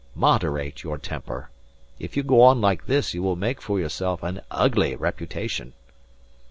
Moderate your temper. If you go on like this you will make for yourself an ugly reputation."